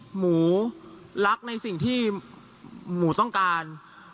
หมูรักในสิ่งที่หมูต้องการ